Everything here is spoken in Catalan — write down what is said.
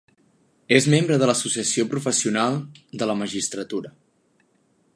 És membre de l'Associació Professional de la Magistratura.